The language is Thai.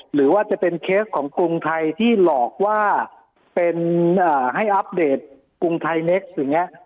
หรือว่าจะเป็นเคสของกรุงไทยที่หลอกว่าเป็นให้อัปเดตกรุงไทยเน็กซ์อย่างนี้